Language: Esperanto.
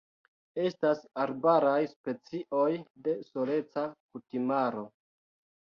Estas arbaraj specioj de soleca kutimaro.